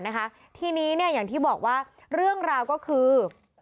นะคะทีนี้เนี่ยอย่างที่บอกว่าเรื่องราวก็คือ